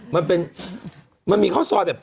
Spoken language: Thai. มันเป็นมันมีข้าวสอยแบบ